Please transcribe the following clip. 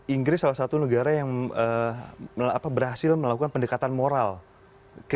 inggris salah satu negara yang berhasil melakukan pendekatan moral